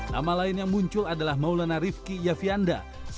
nama lain yang muncul adalah maulana rifki yafianda